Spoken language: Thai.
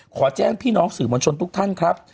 ขอแจ้งพี่น้องสื่อมวลชนทุกท่านครับ